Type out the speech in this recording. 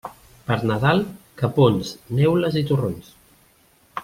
Per Nadal, capons, neules i torrons.